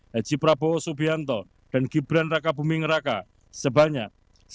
haji prabowo subianto dan gibran raka buming raka sebanyak